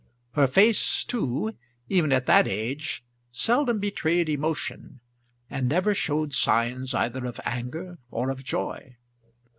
Her face too, even at that age, seldom betrayed emotion, and never showed signs either of anger or of joy.